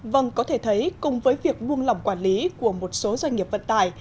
vâng có thể thấy cùng với việc buông lỏng quản lý của một số doanh nghiệp vận tải